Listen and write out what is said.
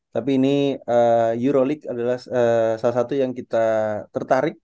tapi ini euroleague adalah salah satu yang kita tertarik